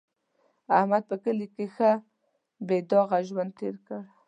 احمد په کلي کې ښه بې داغه ژوند تېر کړ.